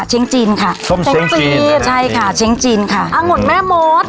เช้งจีนค่ะส้มเช้งจีนใช่ค่ะเช้งจีนค่ะอังกฤษแม่มด